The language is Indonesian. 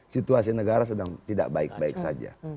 situasi negara sedang tidak baik baik saja